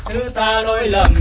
thứ tha đối lầm